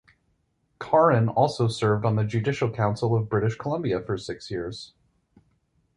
Karin also served on the Judicial Council of British Columbia for six years.